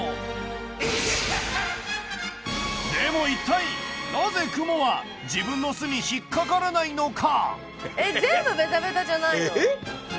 でも一体なぜクモは自分の巣に引っかからないのか！？